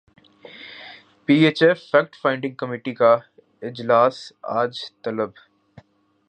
پی H F fact finding committee کا اجلاس اج طلب